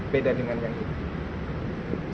beda dengan yang ini